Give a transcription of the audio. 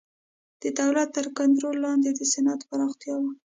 د دولت تر کنټرول لاندې د صنعت پراختیا و.